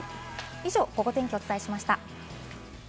以上、ゴゴ天気をお伝えしました。